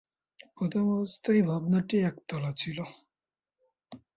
প্রথমাবস্থায় ভবনটি একতলা ছিল।